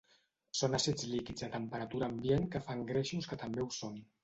Són àcids líquids a temperatura ambient que fan greixos que també ho són.